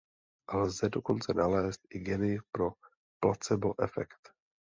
Lze dokonce nalézt i geny pro placebo efekt.